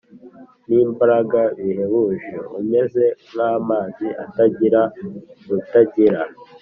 N imbaraga bihebuje umeze nk amazi atagira rutangira